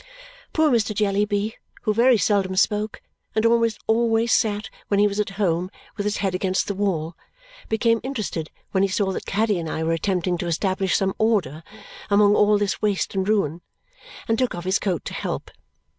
Poor Mr. Jellyby, who very seldom spoke and almost always sat when he was at home with his head against the wall, became interested when he saw that Caddy and I were attempting to establish some order among all this waste and ruin and took off his coat to help.